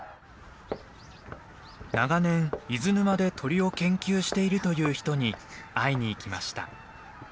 長年伊豆沼で鳥を研究しているという人に会いに行きました。